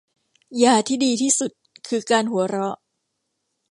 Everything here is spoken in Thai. ยาที่ดีที่สุดคือการหัวเราะ